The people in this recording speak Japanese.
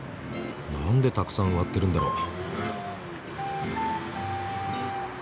何でたくさん植わってるんだろう。